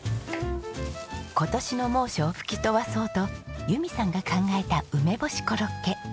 今年の猛暑を吹き飛ばそうと由美さんが考えた梅干しコロッケ。